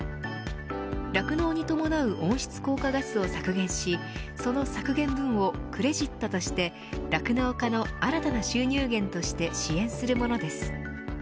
酪農に伴う温室効果ガスを削減しその削減分をクレジットとして酪農家の新たな収入源として支援するものです。